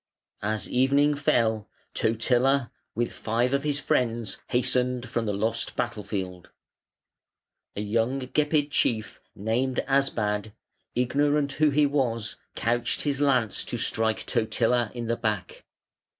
As evening fell Totila, with five of his friends hastened from the lost battle field. A young Gepid chief, named Asbad, ignorant who he was couched his lance to strike Totila in the back.